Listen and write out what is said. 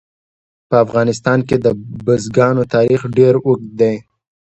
په افغانستان کې د بزګانو تاریخ ډېر اوږد دی.